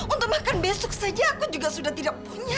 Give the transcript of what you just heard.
untuk makan besok saja aku juga sudah tidak punya